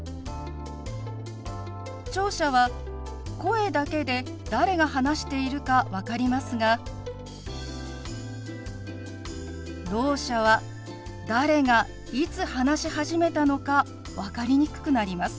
聴者は声だけで誰が話しているか分かりますがろう者は誰がいつ話し始めたのか分かりにくくなります。